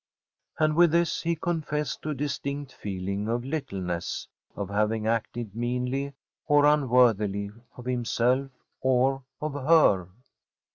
And with this he confessed to a distinct feeling of littleness, of having acted meanly or unworthily of himself or of her.